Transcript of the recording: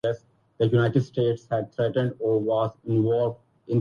ہر بندے کو اپنی فکر کرنی چاہئے